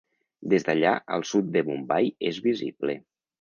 Des d'allà, el sud de Mumbai es visible.